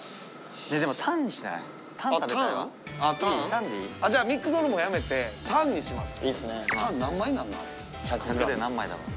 タンでいい？じゃミックスホルモンやめてタンにします。